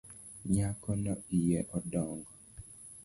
Nyakono iye odongo.